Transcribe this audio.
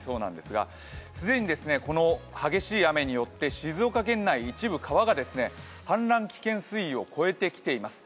既にこの激しい雨によって静岡県内、一部川が氾濫危険水位を超えてきています。